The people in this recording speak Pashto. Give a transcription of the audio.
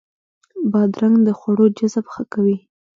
بادرنګ د خوړو جذب ښه کوي.